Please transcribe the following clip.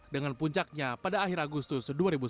dengan puncaknya pada akhir agustus dua ribu sembilan belas